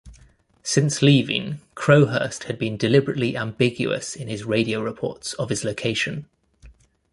Since leaving, Crowhurst had been deliberately ambiguous in his radio reports of his location.